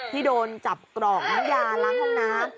ที่โดนจับกรอกน้ำยาล้างห้องน้ำ